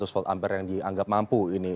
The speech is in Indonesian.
sembilan ratus volt ampere yang dianggap mampu ini